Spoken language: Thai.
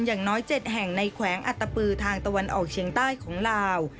อย่างน้อย๗แห่งในแขวงอัตตปือทางตะวันออกเชียงใต้ของลาว